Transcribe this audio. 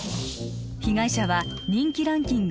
被害者は人気ランキング